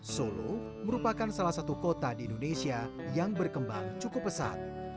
solo merupakan salah satu kota di indonesia yang berkembang cukup pesat